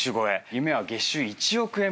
夢は月収１億円